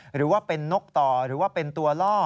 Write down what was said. หรือว่าเป็นนกต่อหรือว่าเป็นตัวล่อ